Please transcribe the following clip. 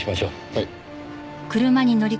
はい。